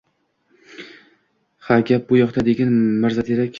Ha, gap bu yoqda degin, Mirzaterak